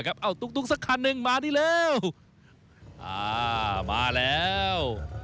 ไปดีกว่าครับอ้าวตุ๊กสักคันหนึ่งมานี่เร็วอ่ามาแล้ว